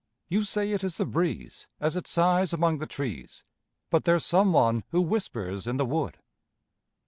You say it is the breeze As it sighs among the trees, But there's some one who whispers in the wood.